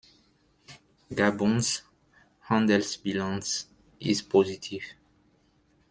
Gabuns Handelsbilanz ist positiv.